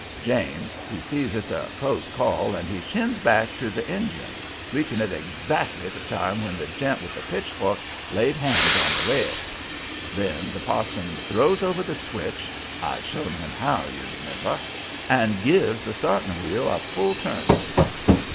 James, he sees it's a close call, and he shins back to the engine, reaching it exactly at the time when the gent with the pitchfork laid hands on the rail. Then the parson throws over the switch I'd shown him how, you remember and gives the starting wheel a full turn.